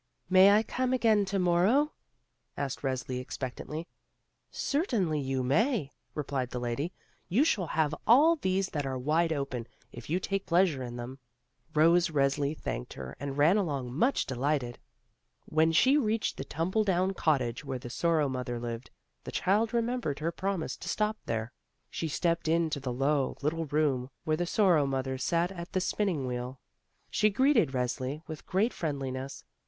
"May I come again to morrow?" asked Resli expectantly. "Certainly you may," replied the lady; "you shall have all these that are wide open, if you take pleasure in them." Rose Resli thanked her and ran along much delighted. When she reached the tumble down 24 THE ROSE CHILD cottage where the Sorrow mother lived, the child remembered her promise to stop there. She stepped into the low, little room where the Sorrow mother sat at the spinning wheel. She greeted Resli with great friendliness.